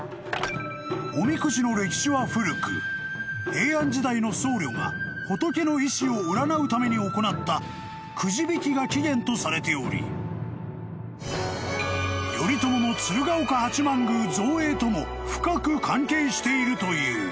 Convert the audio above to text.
［おみくじの歴史は古く平安時代の僧侶が仏の意思を占うために行ったくじ引きが起源とされており頼朝の鶴岡八幡宮造営とも深く関係しているという］